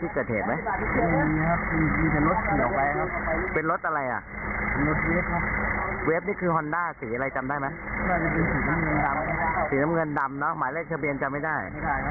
สีน้ำเงินดำสีน้ำเงินดำเนอะหมายเลขทะเบียนจำไม่ได้